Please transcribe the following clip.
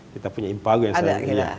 kita punya impar yang sangat kering